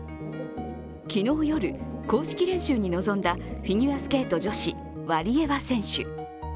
昨日夜、公式練習に臨んだフィギュアスケート女子、ワリエワ選手。